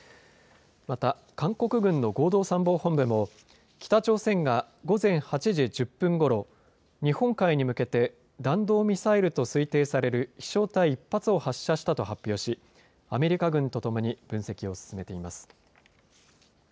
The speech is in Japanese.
また、韓国軍の合同参謀本部も北朝鮮が午前８時１０分ごろ、日本海に向けて弾道ミサイルと推定される飛しょう体１発を発射したと発表しアメリカ軍と共に分析を進めています。